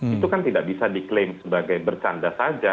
itu kan tidak bisa diklaim sebagai bercanda saja